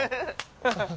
アハハハ。